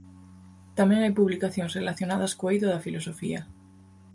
Tamén hai publicacións relacionadas co eido da filosofía.